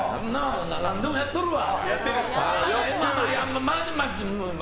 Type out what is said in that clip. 何でもやっとるわ。